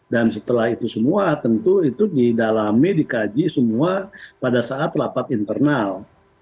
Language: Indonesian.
dan setelah itu semua tentu itu didalami dikaji semua pada saat lapat internal